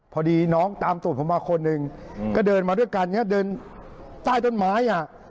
พอดีน้องตามตูดผมมาคนหนึ่งก็เดินมาด้วยกันเดินใต้ต้นไม้อ่ะ